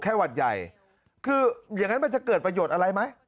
หวัดใหญ่คืออย่างนั้นมันจะเกิดประโยชน์อะไรไหม